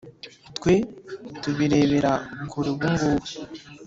Twe tubirebera kure ubugubu.